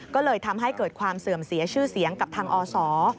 ก็เลยทำให้เกิดความเสื่อมเสียชื่อเสียงกับทางอศ